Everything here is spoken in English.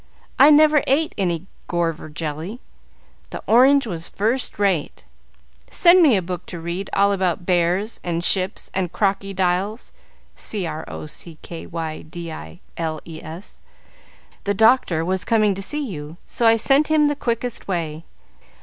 I never ate any gorver jelly. The orange was first rate. Send me a book to read. All about bears and ships and crockydiles. The doctor was coming to see you, so I sent him the quickest way.